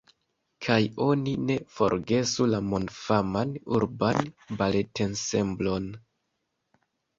Kaj oni ne forgesu la mondfaman urban baletensemblon.